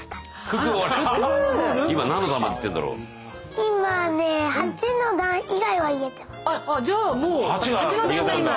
今ね８の段以外は言えてます。